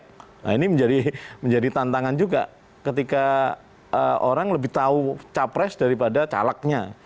nah ini menjadi tantangan juga ketika orang lebih tahu capres daripada calegnya